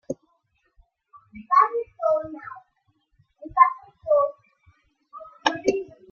The allies lost another airborne division during the raid.